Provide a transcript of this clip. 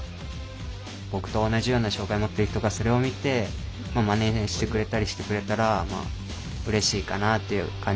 僕と同じような障害をもっている人がそれを見てまねしてくれたりしてくれたらうれしいかなっていう感じで。